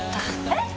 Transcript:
えっ！！